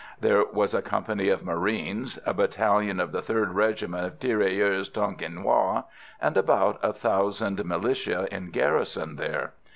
There was a company of marines, a battalion of the 3rd Regiment of Tirailleurs Tonkinois, and about a thousand militia in garrison there.